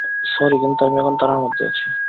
Sorry, কিন্তু আমি এখন তাড়ার মধ্যে আছি।